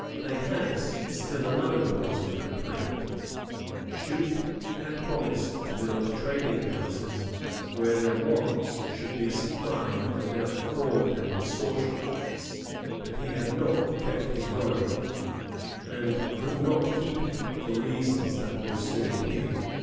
They had still another cause of complaint. Shute had promised to build trading houses where their wants should be supplied without fraud and extortion; but he had not kept his word, and could not keep it, for reasons that will soon appear.